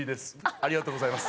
ありがとうございます。